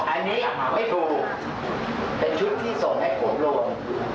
อันนี้ไม่ถูกเป็นชุดที่ส่งให้ผมลง